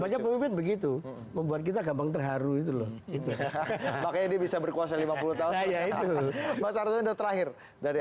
banyak begitu membuat kita gampang terharu itu loh makanya bisa berkuasa lima puluh tahun terakhir dari